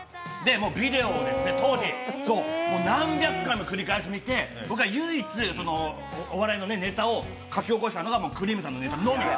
もうビデオを当時、何百回も繰り返し見て、僕が唯一、お笑いのネタを書き起こしたのがくりーむさんのネタのみで。